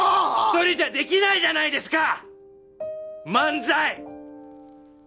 １人じゃできないじゃないですか漫才！！